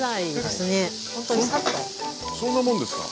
そんなもんですか？